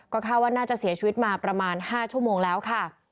คาดว่าน่าจะเสียชีวิตมาประมาณ๕ชั่วโมงแล้วค่ะ